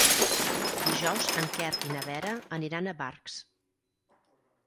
Dijous en Quer i na Vera aniran a Barx.